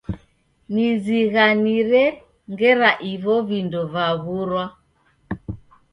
Nizighanire ngera ivo vindo vaw'urwa.